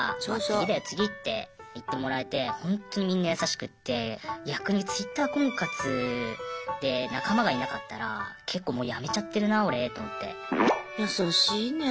次って言ってもらえてほんとにみんな優しくって逆にＴｗｉｔｔｅｒ婚活で仲間がいなかったら結構もうやめちゃってるな俺と思って。